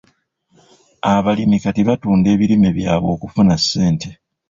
Abalimi kati batunda ebirime byabwe okufuna ssente.